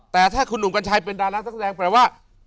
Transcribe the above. แต่ถ้าคุณหนุ่มกัญชัยเป็นดารานักแสดงแปลว่า